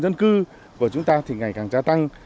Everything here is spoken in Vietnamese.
dân cư của chúng ta thì ngày càng gia tăng